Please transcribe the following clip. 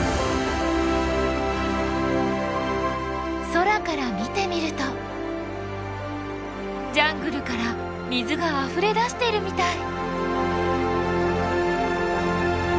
空から見てみるとジャングルから水があふれ出しているみたい。